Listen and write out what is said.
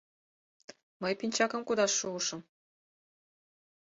Мый пинчакым кудаш шуышым.